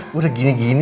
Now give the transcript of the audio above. gue udah gini gini